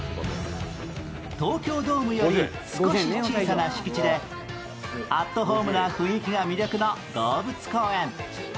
東京ドームより少し小さな敷地でアットホームな雰囲気が魅力の動物公園。